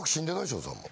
翔さんも。